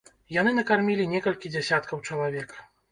Яны накармілі некалькі дзясяткаў чалавек.